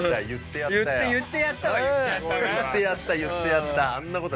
言ってやったは言ってやったな。